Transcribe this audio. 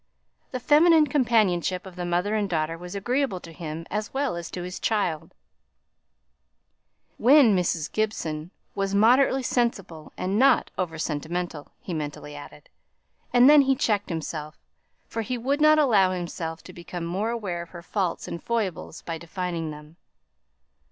The feminine companionship of the mother and daughter was agreeable to him as well as to his child, when Mrs. Gibson was moderately sensible and not over sentimental, he mentally added; and then he checked himself, for he would not allow himself to become more aware of her faults and foibles by defining them.